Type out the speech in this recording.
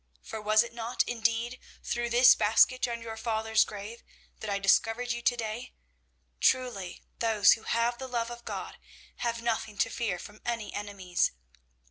For was it not indeed through this basket on your father's grave that I discovered you to day? Truly, those who have the love of God have nothing to fear from any enemies.